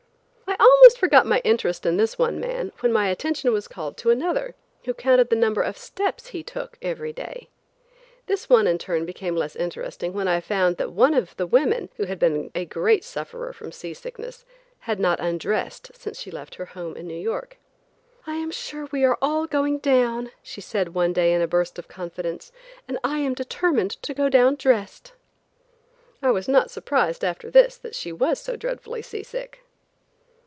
I almost forgot my interest in this one man, when my attention was called to another, who counted the number of steps he took every day. This one in turn became less interesting when I found that one of the women, who had been a great sufferer from sea sickness, had not undressed since she left her home in New York. "I am sure we are all going down," she said one day in a burst of confidence, "and I am determined to go down dressed!" I was not surprised after this that she was so dreadfully sea sick.